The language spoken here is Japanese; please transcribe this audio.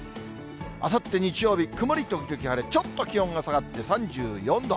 あさって日曜日、曇り時々晴れ、ちょっと気温が下がって３４度。